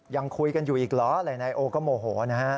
ยังคุยกันอยู่อีกเหรอหลายนายโอก็โมโหนะฮะ